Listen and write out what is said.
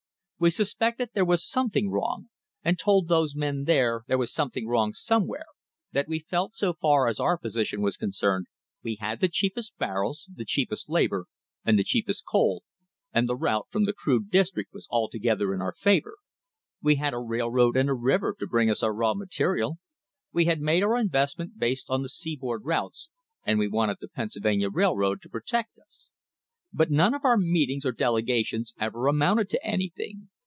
We suspected there was something wrong, and told those men there was something wrong somewhere; that we felt, so far as position was concerned, we had the cheapest barrels, the cheapest labour, and the cheapest coal, and the route from the crude district was altogether in our favour. We had a railroad and a river to bring us our raw material. We had made our investment based on the seaboard routes, and we wanted the Pennsylvania Railroad to protect us. But none of our meetings or delegations ever amounted to anything.